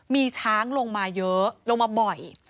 มีช้างลงมาเยอะลงมาบ่อย